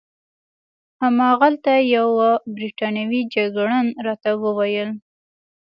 هماغلته یوه بریتانوي جګړن راته وویل.